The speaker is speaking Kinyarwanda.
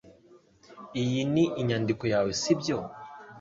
Iyi ni inyandiko yawe sibyo